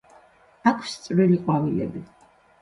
აქვს წვრილი ყვავილები.